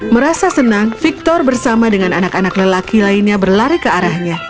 merasa senang victor bersama dengan anak anak lelaki lainnya berlari ke arahnya